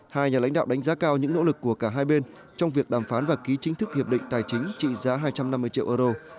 hai nhà lãnh đạo đánh giá cao những nỗ lực của cả hai bên trong việc đàm phán và ký chính thức hiệp định tài chính trị giá hai trăm năm mươi triệu euro